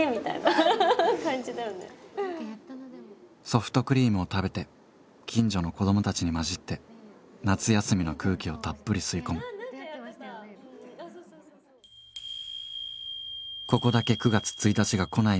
ソフトクリームを食べて近所の子供たちに交じって夏休みの空気をたっぷり吸い込むえそうなの？